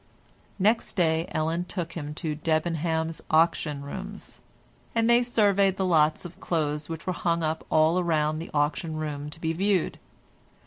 Next day Ellen took him to Debenham's auction rooms, and they surveyed the lots of clothes which were hung up all round the auction room to be viewed.